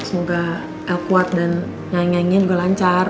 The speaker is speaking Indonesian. semoga el kuat dan nyanyinya juga lancar